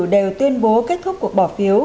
đều tuyên bố kết thúc cuộc bỏ phiếu